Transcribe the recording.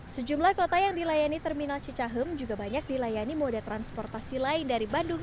sejumlah kota yang dilayani terminal cicahem juga banyak dilayani moda transportasi lain dari bandung